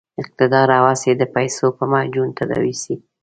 اقتدار هوس یې د پیسو په معجون تداوي شي.